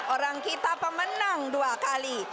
orang kita pemenang dua kali